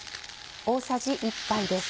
大さじ１杯です。